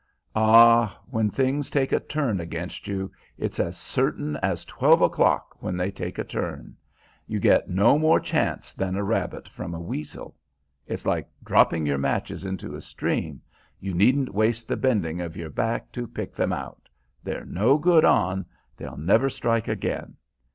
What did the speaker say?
Ah, when things take a turn against you it's as certain as twelve o'clock, when they take a turn; you get no more chance than a rabbit from a weasel. It's like dropping your matches into a stream, you needn't waste the bending of your back to pick them out they're no good on, they'll never strike again.